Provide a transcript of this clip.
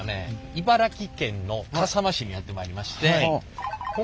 茨城県の笠間市にやって参りまして。